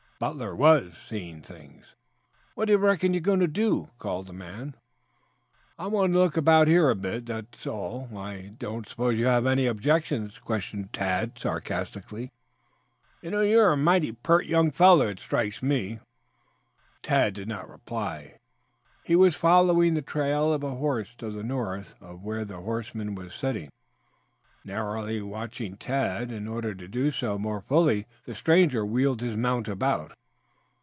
Butler was seeing things. "What do you reckon you are going to do?" called the man. "I want to look about here a bit, that's all. I don't suppose you have any objections?" questioned Tad sarcastically. "You are a mighty pert young fellow, it strikes me." Tad did not reply. He was following the trail of a horse to the north of where the horseman was sitting, narrowly watching Tad. In order to do so more fully, the stranger wheeled his mount about.